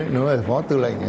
nó là phó tư lệnh